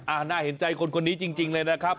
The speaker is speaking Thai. น่าเห็นใจคนคนนี้จริงเลยนะครับ